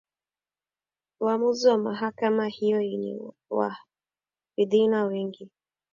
Uamuzi wa mahakama hiyo yenye wahafidhina wengi